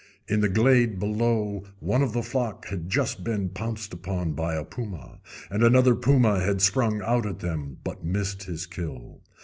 In the glade below one of the flock had just been pounced upon by a puma, and another puma had sprung out at them, but missed his kill.